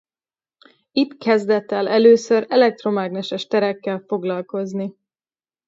Itt kezdett el először az elektromágneses terekkel foglalkozni.